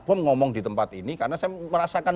bom ngomong di tempat ini karena saya merasakan